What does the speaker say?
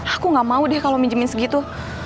aku gak mau deh kalau minjemin segitu